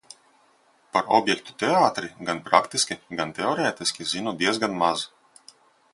Par objektu teātri gan praktiski, gan teorētiski zinu diezgan maz.